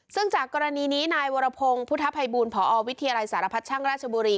ซึ่งจากกรณีนี้นายวรพงศ์พุทธภัยบูลพอวิทยาลัยสารพัชช่างราชบุรี